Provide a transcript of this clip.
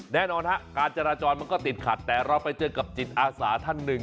แน่นอนฮะการจราจรมันก็ติดขัดแต่เราไปเจอกับจิตอาสาท่านหนึ่ง